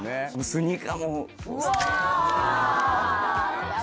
スニーカーもうわ！